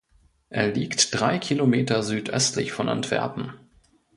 Er liegt drei Kilometer südöstlich von Antwerpen.